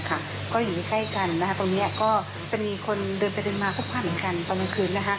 ก็อยู่ใกล้กันตรงนี้ก็จะมีคนเดินไปเดินมาพบภาพเหมือนกันตอนกลางคืน